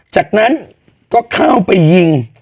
จากนั้นก็เข้าไปยิง